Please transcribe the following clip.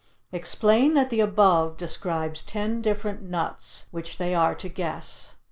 Explain that the above describes ten different nuts, which they are to guess.